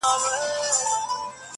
خو هر غوږ نه وي لایق د دې خبرو!.